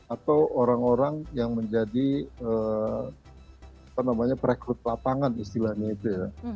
atau orang orang yang menjadi perekrut lapangan istilahnya itu ya